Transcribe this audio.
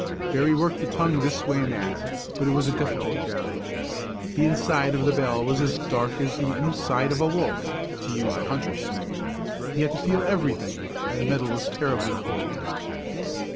Berry worked the tongue this way and that, but it was a difficult job. The inside of the bell was as dark as the inside of a wolf, to use a hunter's simile; he had to feel everything, and the metal was terribly cold.